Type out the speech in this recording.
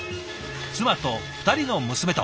妻と２人の娘と。